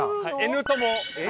Ｎ友？